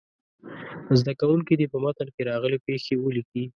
زده کوونکي دې په متن کې راغلې پيښې ولیکي.